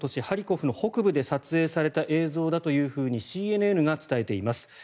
ハリコフの北部で撮影された映像だというふうにＣＮＮが伝えています。